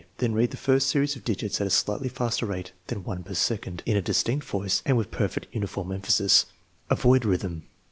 Then read the first series of digits at a slightly faster rate than one per second, in a distinct voice, and with per fectly uniform emphasis. Avoid rhythm.